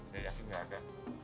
saya yakin enggak ada